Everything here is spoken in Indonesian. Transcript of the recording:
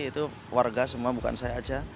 itu warga semua bukan saya saja